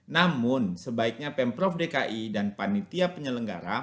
namun sebaiknya pemprov dki dan panitia penyelenggara